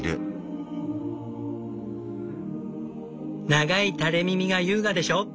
「長い垂れ耳が優雅でしょ」。